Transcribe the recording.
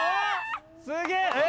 すげえ！